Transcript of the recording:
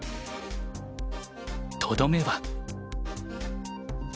とどめは。